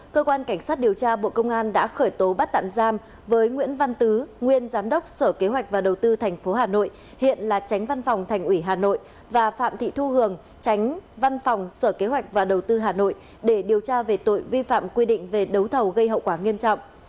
cơ quan cảnh sát điều tra bộ công an đã khởi tố bắt tạm giam với nguyễn văn tứ nguyên giám đốc sở kế hoạch và đầu tư tp hà nội hiện là tránh văn phòng thành ủy hà nội và phạm thị thu hường tránh văn phòng sở kế hoạch và đầu tư hà nội để điều tra về tội vi phạm quy định về đấu thầu gây hậu quả nghiêm trọng